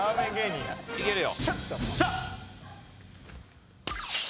行けるよ。